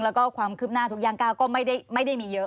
แล้วก็ความคืบหน้าทุกอย่างก้าวก็ไม่ได้มีเยอะ